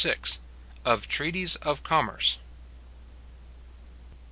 OF TREATIES OF COMMERCE.